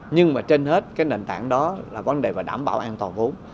nhưng mà trên hết cái nền tảng đó là vấn đề và đảm bảo an toàn vốn